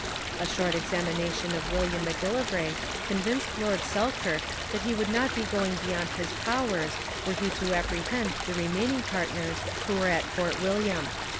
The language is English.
A short examination of William M'Gillivray convinced Lord Selkirk that he would not be going beyond his powers were he to apprehend the remaining partners who were at Fort William.